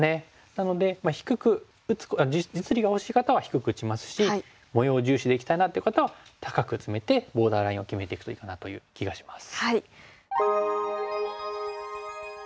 なので実利が欲しい方は低く打ちますし模様を重視でいきたいなっていう方は高くツメてボーダーラインを決めていくといいかなという気がします。